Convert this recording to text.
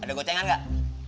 ada gocengan gak